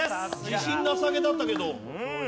自信なさげだったけど。